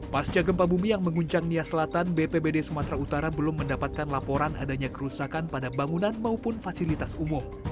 pasca gempa bumi yang menguncang nia selatan bpbd sumatera utara belum mendapatkan laporan adanya kerusakan pada bangunan maupun fasilitas umum